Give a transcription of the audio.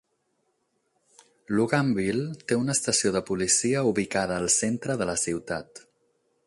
Luganville té una estació de policia ubicada al centre de la ciutat.